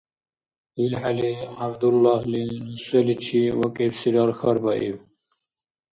ИлхӀели ГӀябдуллагьли ну селичи вакӀибсирал хьарбаиб.